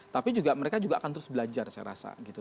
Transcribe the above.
tapi mereka juga akan terus belajar saya rasa gitu